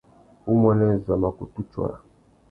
Umuênê zu a mà kutu tsôra.